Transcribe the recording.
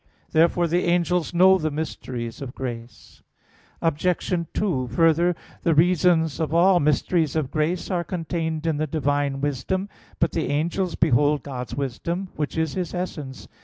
'] Therefore the angels know the mysteries of grace. Obj. 2: Further, the reasons of all mysteries of grace are contained in the Divine wisdom. But the angels behold God's wisdom, which is His essence.